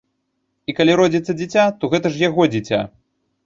І калі родзіцца дзіця, то гэта ж яго дзіця!